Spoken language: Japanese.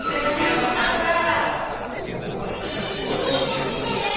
エミリちゃん見てる？